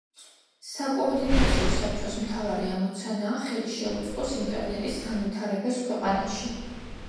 საკოორდინაციო საბჭოს მთავარი ამოცანაა, ხელი შეუწყოს ინტერნეტის განვითარებას ქვეყანაში.